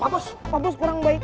pak bos pak bos kurang baik